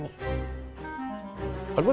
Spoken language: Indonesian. lihat handphone nyari nyari